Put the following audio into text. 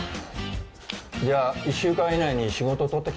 じゃあ１週間以内に仕事取ってきてくれる？